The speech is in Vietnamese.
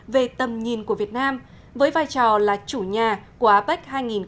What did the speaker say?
về tầm nhìn của việt nam với vai trò là chủ nhà của apec hai nghìn một mươi bảy